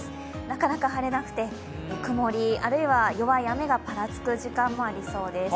なかなか晴れなくて曇り、あるいは弱い雨がぱらつく時間もありそうです。